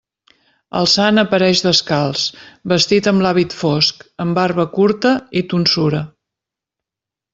El sant apareix descalç, vestit amb l'hàbit fosc, amb barba curta i tonsura.